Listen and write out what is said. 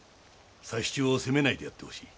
佐七を責めないでやってほしい。